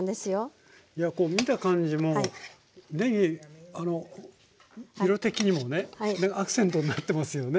いやこう見た感じもねぎ色的にもねアクセントになってますよね。